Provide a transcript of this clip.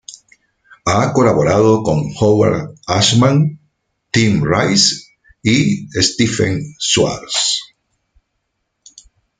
Ha colaborado con Howard Ashman, Tim Rice y Stephen Schwartz.